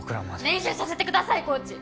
練習させてくださいコーチ！